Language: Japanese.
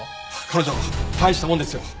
彼女大したもんですよ。